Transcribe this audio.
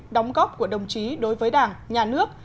đóng góp của đồng chí đối với đảng nhà nước